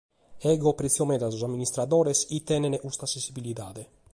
Deo prètzio meda sos amministradores chi tenent custa sensibilidade.